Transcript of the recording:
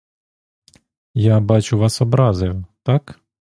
Я, бачу, вас образив, так?